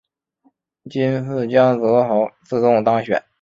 今次江泽濠自动当选。